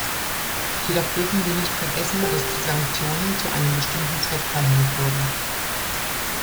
Jedoch dürfen wir nicht vergessen, dass die Sanktionen zu einem bestimmten Zweck verhängt wurden.